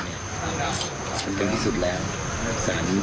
เขาว่าสินที่ประตูทัพใช่ไหม